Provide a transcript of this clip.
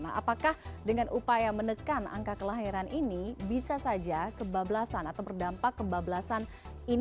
nah apakah dengan upaya menekan angka kelahiran ini bisa saja kebablasan atau berdampak kebablasan ini